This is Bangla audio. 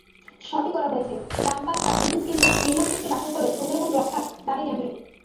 সবই করা হয়েছে, রামপাল তাপবিদ্যুৎকেন্দ্র নির্মাণচুক্তি বাতিল করে সুন্দরবন রক্ষার দাবি জানিয়ে।